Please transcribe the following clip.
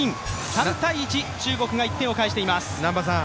３−１、中国が１点を返しています。